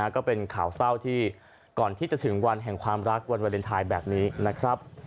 ก็เป็นข่าวเศร้าที่ก่อนที่จะถึงวันแห่งความรักวันวาเลนไทยแบบนี้นะครับ